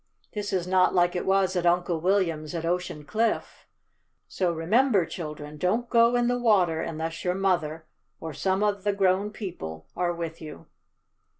This is not like it was at Uncle William's at Ocean Cliff. So, remember, children, don't go in the water unless your mother, or some of the grown people, are with you."